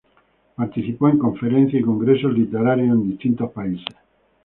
Participó en conferencias y congresos literarios en distintos países.